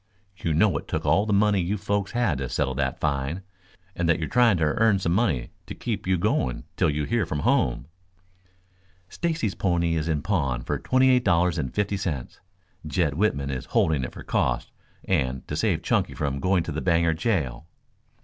You know it took all the money you folks had to settle that fine, and that you are trying to earn some money to keep you going till you hear from home." "Stacy's pony is in pawn for twenty eight dollars and fifty cents. Jed Whitman is holding it for costs and to save Chunky from going to the Bangor jail."